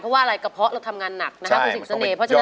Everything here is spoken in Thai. เพราะว่าอะไรกะเพาะแต่ทำงานหนักถุงสิ่งเสน่ห์